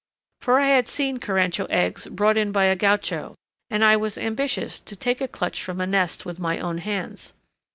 For I had seen carancho eggs brought in by a gaucho, and I was ambitious to take a clutch from a nest with my own hands.